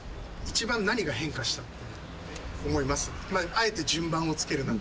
あえて順番をつけるなら。